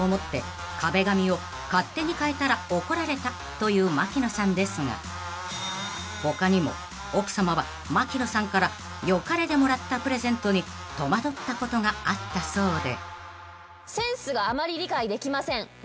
［という槙野さんですが他にも奥さまは槙野さんから良かれでもらったプレゼントに戸惑ったことがあったそうで］